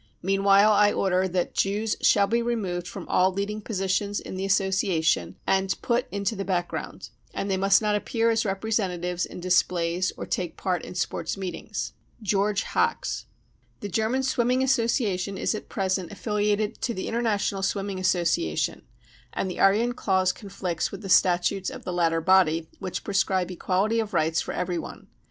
Meanwhile, I order that Jews shall be removed from all leading positions in the association and put into the background ; and they must not appear as representa tives in displays or take part in sports meetings. — George Hax. 5 The German Swimming Association is at present affiliated to the International Swimming Association, and the Aryan clause conflicts with the statutes of the latter body, which prescribe equality of rights for every one.